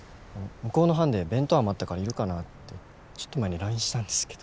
向こうの班で弁当余ったから要るかなってちょっと前にＬＩＮＥしたんですけど。